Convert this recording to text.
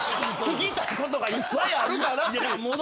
聞きたいことがいっぱいあるからという。